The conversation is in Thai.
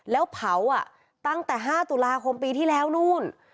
แล้วเผาตั้งแต่๕ตุลาคมปีที่แล้วนู่น